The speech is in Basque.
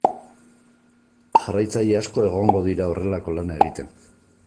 Jarraitzaile asko egongo dira horrelako lana egiten.